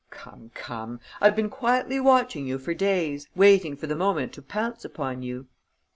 "Come, come! I've been quietly watching you for days, waiting for the moment to pounce upon you."